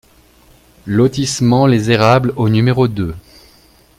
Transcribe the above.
Lotissement Les Érables au numéro deux